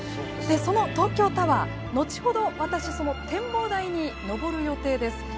その東京タワー、後ほど私展望台に上る予定です。